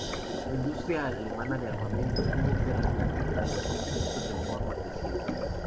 La industria alemana de armamento tuvo que recurrir a los sustitutos en forma creciente.